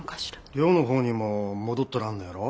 寮の方にも戻っとらんのやろ？